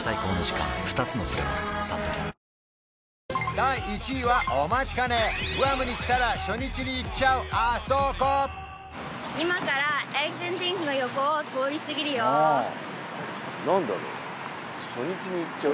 第１位はお待ちかねグアムに来たら初日に行っちゃう